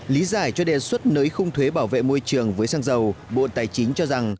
lý giải cho đề xuất nới khung thuế bảo vệ môi trường với xăng dầu bộ tài chính cho rằng